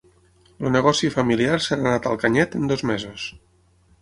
El negoci familiar se n'ha anat al canyet en dos mesos.